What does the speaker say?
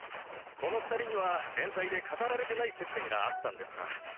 この２人には連載で語られてない接点があったんですか。